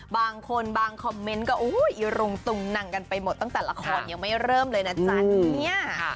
บางคนบางคอมเมนต์ก็อีรุงตุงนังกันไปหมดตั้งแต่ละครยังไม่เริ่มเลยนะจ๊ะเนี่ย